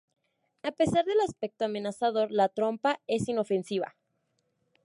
A pesar del aspecto amenazador, la trompa es inofensiva.